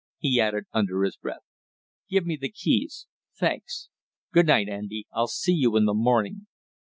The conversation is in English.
he added under his breath. "Give me the keys thanks. Good night, Andy! I'll see you in the morning."